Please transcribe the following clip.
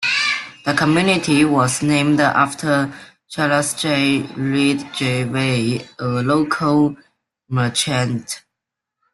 The community was named after Charles J. Ridgeway, a local merchant.